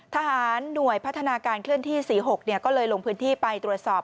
ทหารหน่วยพัฒนาการเคลื่อนที่๔๖ก็เลยลงพื้นที่ไปตรวจสอบ